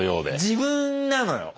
自分なのよ。